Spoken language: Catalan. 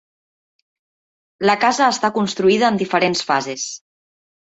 La casa està construïda en diferents fases.